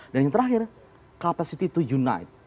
dan yang terakhir capacity to unite